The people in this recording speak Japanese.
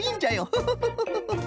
フフフフフ。